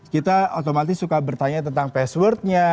kita otomatis suka bertanya tentang passwordnya